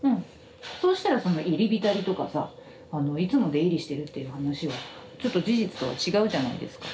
そうしたらその入り浸りとかさあのいつも出入りしてるっていう話はちょっと事実とは違うじゃないですか。